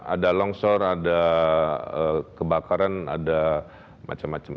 ada longsor ada kebakaran ada macam macam